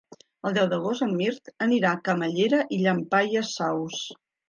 El deu d'agost en Mirt anirà a Camallera i Llampaies Saus.